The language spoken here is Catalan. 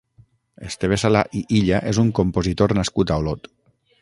Esteve Sala i Illa és un compositor nascut a Olot.